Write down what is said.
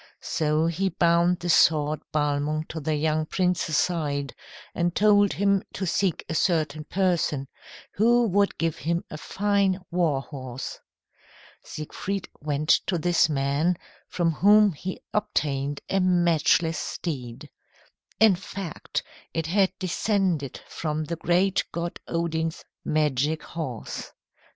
So he bound the sword Balmung to the young prince's side, and told him to seek a certain person, who would give him a fine war horse. Siegfried went to this man, from whom he obtained a matchless steed. In fact it had descended from the great god Odin's magic horse.